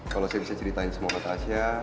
kalau saya bisa ceritain semua sama asia